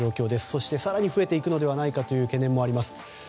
そして更に増えていくのではないかという懸念もあります。